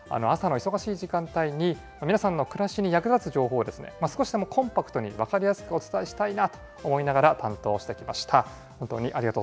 朝の忙しい時間帯に、皆さんの暮らしに役立つ情報を少しでもコンパクトに分かりやすくお伝えしたいなと思いながら、担当してきました。